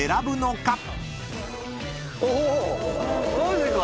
マジか！